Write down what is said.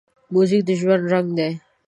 موزیک د ژوند رنګ دی.